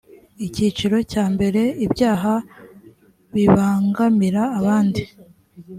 icyiciro cya mbere ibyaha bibangamira abandi